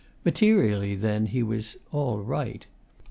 Materially, then, he was 'all right.